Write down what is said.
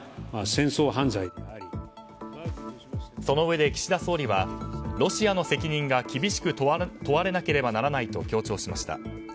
そのうえで岸田総理はロシアの責任が厳しく問われなければならないと強調しました。